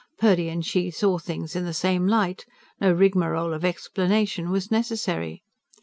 Purdy and she saw things in the same light; no rigmarole of explanation was necessary.